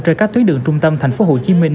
trên các tuyến đường trung tâm tp hcm